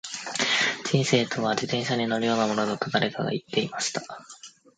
•人生とは、自転車に乗るようなものだと誰かが言っていました。